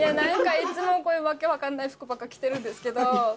いつもこういう訳分かんない服ばっか着てるんですけど。